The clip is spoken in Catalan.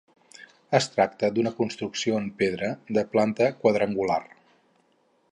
Es tracta d'una construcció en pedra, de planta quadrangular.